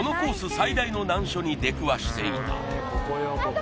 最大の難所に出くわしていた